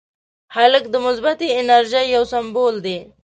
هلک د مثبتې انرژۍ یو سمبول دی.